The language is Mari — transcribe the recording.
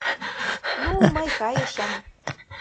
Ну, мый кайышым.